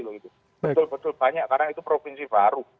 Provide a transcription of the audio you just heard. betul betul banyak karena itu provinsi baru